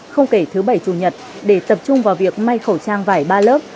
không kể thứ bảy chủ nhật để tập trung vào việc may khẩu trang vải ba lớp